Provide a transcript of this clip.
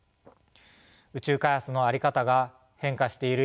宇宙開発の在り方が変化している